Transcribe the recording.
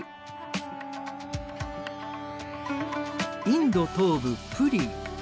インド東部プリー。